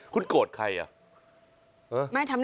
คุณโกรธใครอ่ะ